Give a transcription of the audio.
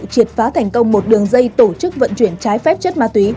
triệt phá thành công một đường dây tổ chức vận chuyển trái phép chất ma túy